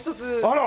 あら！